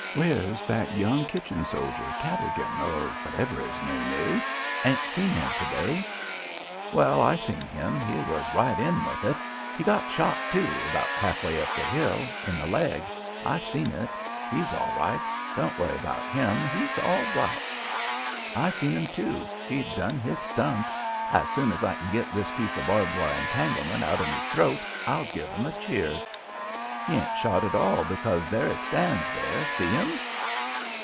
"Where's that young kitchen soldier, Cadogan, or whatever his name is. Ain't seen him to day." "Well, I seen him. He was right in with it. He got shot, too, about half up the hill, in the leg. I seen it. He's all right. Don't worry about him. He's all right." "I seen 'im, too. He done his stunt. As soon as I can git this piece of barbed wire entanglement out o' me throat I'll give 'm a cheer." "He ain't shot at all b'cause there he stands, there. See 'im?"